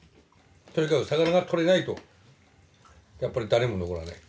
とにかく魚がとれないとやっぱり誰も残らない。